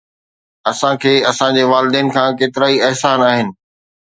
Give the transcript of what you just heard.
اسان کي اسان جي والدين کان ڪيترائي احسان آهن